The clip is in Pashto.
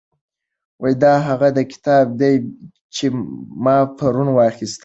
دا هغه کتاب دی چې ما پرون واخیست.